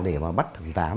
để mà bắt thằng tám